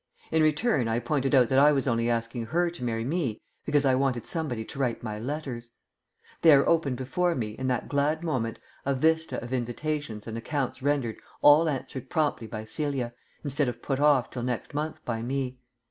In return I pointed out that I was only asking her to marry me because I wanted somebody to write my letters. There opened before me, in that glad moment, a vista of invitations and accounts rendered all answered promptly by Celia, instead of put off till next month by me.